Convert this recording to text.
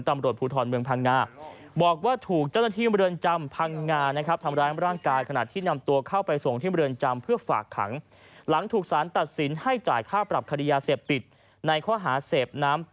ตำรวจพืทรเมืองพังงาม